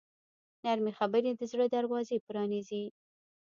نرمې خبرې د زړه دروازې پرانیزي.